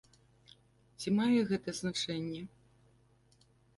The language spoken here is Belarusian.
Ці мае гэта значэнне?